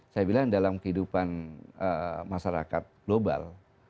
saya bilang dalam kehidupan masyarakat global